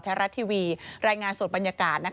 รัฐทีวีรายงานสดบรรยากาศ